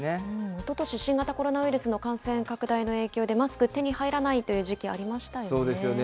おととし、新型コロナウイルスの感染拡大の影響で、マスク手に入らないという時期ありましたよね。